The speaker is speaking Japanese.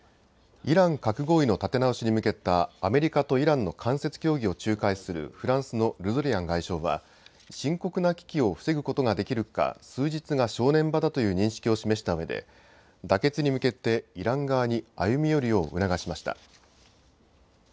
イラン核合意の立て直しに向けたアメリカとイランの間接協議を仲介するフランスのルドリアン外相は深刻な危機を防ぐことができるか数日が正念場だという認識を示したうえで妥結に向けてイラン側に歩み寄るよう促しました。